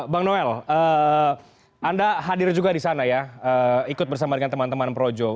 bang noel anda hadir juga di sana ya ikut bersama dengan teman teman projo